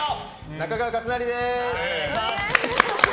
中川勝就です！